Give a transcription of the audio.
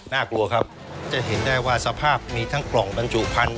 น่ากลัวครับจะเห็นได้ว่าสภาพมีทั้งกล่องบรรจุพันธุ